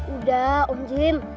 udah om jin